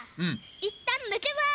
いったんぬけます！